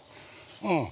◆うん。